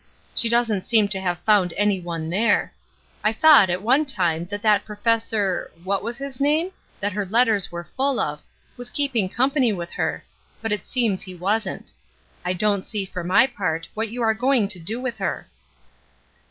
She doesn't seem to have found any one there. I thought, at one time, that that 'Professor —' what was his name? that her letters were full 300 ESTER RIED'S NAMESAKE of, was keeping company with her, but it seems he wasn't, I don't see, for my part, what you are going to do with her.'